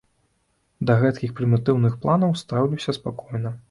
Да гэткіх прымітыўных планаў стаўлюся спакойна.